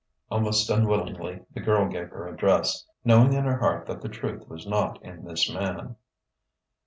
Almost unwillingly the girl gave her address knowing in her heart that the truth was not in this man.